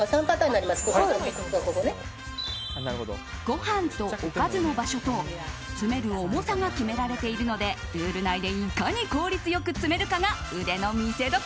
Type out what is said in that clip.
ご飯とおかずの場所と詰める重さが決められているのでルール内で、いかに効率よく詰めるかが腕の見せ所。